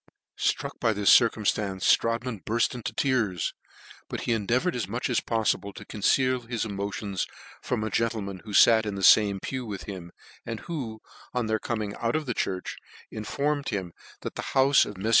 Struck by^ this circumstance, Strodtman burft in tears, but he endeavoured as much as poffible to conceal his emotion from a gentleman who fat in the fame j>ew with him, and who, on their coming out of the church, informed him that the houfe of Meilieurs HERMAN STRODTMAN for Murder.